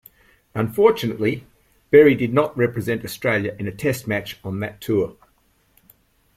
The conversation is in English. Unfortunately, Berry did not represent Australia in a Test match on that tour.